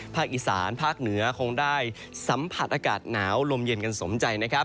ภาคอีสานภาคเหนือคงได้สัมผัสอากาศหนาวลมเย็นกันสมใจนะครับ